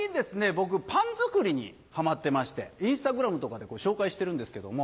僕パン作りにハマってましてＩｎｓｔａｇｒａｍとかで紹介してるんですけども。